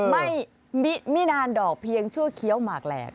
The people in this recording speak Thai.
ไม่ไม่นานดอกเพียงชั่วเคี้ยวหมากแหลก